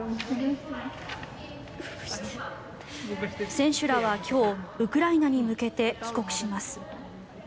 選手らは今日ウクライナに向けて帰国します。